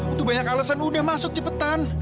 itu banyak alasan udah masuk cepetan